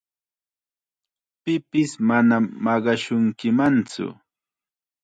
Pipis manam maqashunkimantsu.